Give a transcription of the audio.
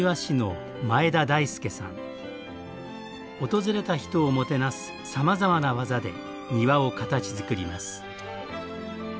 訪れた人をもてなすさまざまな技で庭を形づくります。